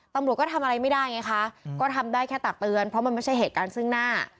ตำรวจก็ทำอะไรไม่ได้ไงคะก็ทำได้แค่ตักเตือนเพราะมันไม่ใช่เหตุการณ์ซึ่งหน้า